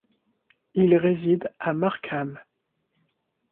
Il réside à Markham.